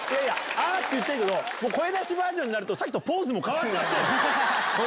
あーって言ってるけど、もう声出しバージョンになると、さっきとポーズも変わっちゃってるの。